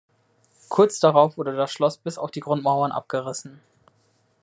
Kurz darauf wurde das Schloss bis auf die Grundmauern abgerissen.